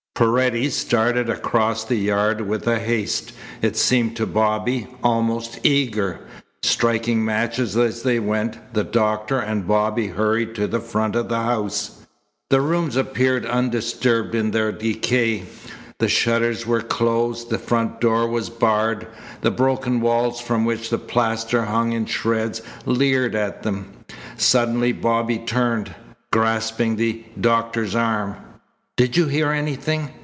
Paredes started across the yard with a haste, it seemed to Bobby, almost eager. Striking matches as they went, the doctor and Bobby hurried to the front of the house. The rooms appeared undisturbed in their decay. The shutters were closed. The front door was barred. The broken walls from which the plaster hung in shreds leered at them. Suddenly Bobby turned, grasping the doctor's arm. "Did you hear anything?"